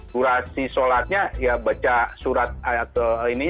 durasi sholatnya ya baca surat ayat ini